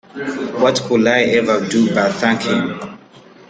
What could I ever do but thank him!